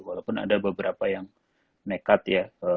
walaupun ada beberapa yang nekat ya